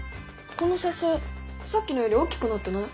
この写真さっきのより大きくなってない？